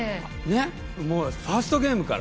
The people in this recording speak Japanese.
もうファーストゲームから。